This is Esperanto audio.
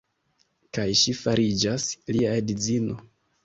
Kaj ŝi fariĝas lia edzino.